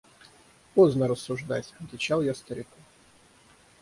– Поздно рассуждать, – отвечал я старику.